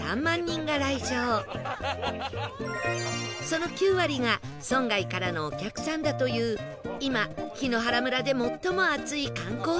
その９割が村外からのお客さんだという今檜原村で最も熱い観光スポットなんです